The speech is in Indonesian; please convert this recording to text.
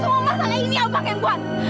semua masalah ini abang yang buat